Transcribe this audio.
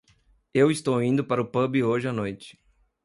Eu estou indo para o pub hoje à noite.